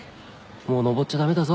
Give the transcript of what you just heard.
もう登っちゃ駄目だぞ。